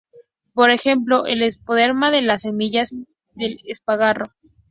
Por ejemplo, el endosperma de las semillas del espárrago.